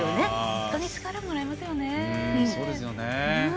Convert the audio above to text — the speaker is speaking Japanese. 本当に力をもらえますよね。